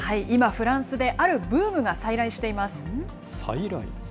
今、フランスで、あるブームが再来しています。